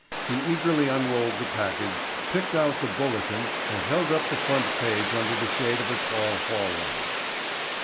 He eagerly unrolled the package, picked out the Bulletin and held up the front page under the shade of a tall hall lamp.